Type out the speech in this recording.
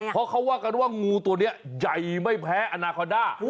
เพราะเขาว่ากันว่างูตัวนี้ใหญ่ไม่แพ้อนาคอด้า